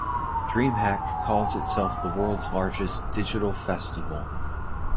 DreamHack calls itself the world's largest "digital festival".